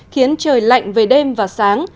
khiến trời lạnh về đêm và sáng